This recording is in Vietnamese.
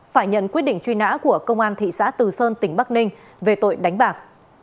phải nhận quyết định truy nã của công an thị xã từ sơn tỉnh bắc ninh về tội đánh bạc